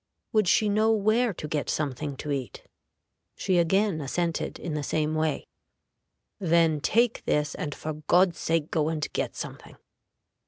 Would she know where to get something to eat? she again assented in the same way. "Then take this, and for God's sake go and get something."